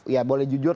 iya boleh jujur